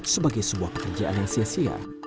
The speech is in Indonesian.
sebagai sebuah pekerjaan yang sia sia